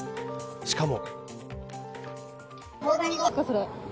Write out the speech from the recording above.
しかも。